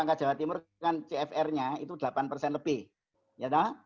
angka jawa timur kan cfr nya itu delapan persen lebih